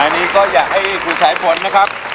อันนี้ก็อยากให้คุณสายฝนนะครับ